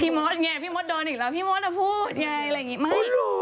พี่มศเนี่ยพี่มศดอนอีกแล้วพี่มศจะพูดไงอะไรอย่างงี้ไม่